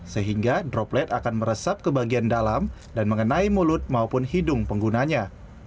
sehingga droplet akan meresap ke bagian dalam dan mengenai mulut maupun hidung penggunanya